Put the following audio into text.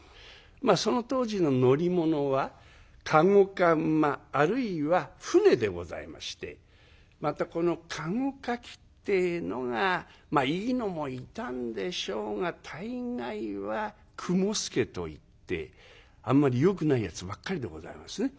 まあその当時の乗り物は駕籠か馬あるいは船でございましてまたこの駕籠かきってえのがまあいいのもいたんでしょうが大概は雲助といってあんまりよくないやつばっかりでございますね。